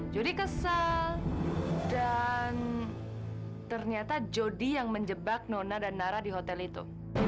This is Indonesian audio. kesal dan ternyata jodi yang menjebak nona dan nara di hotel itu